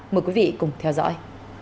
mời quý vị cùng theo dõi